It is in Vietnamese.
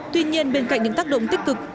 tuy nhiên bên cạnh những tác động tích cực